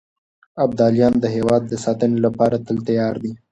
ابداليان د هېواد د ساتنې لپاره تل تيار دي.